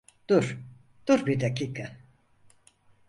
Dur, dur bir dakika.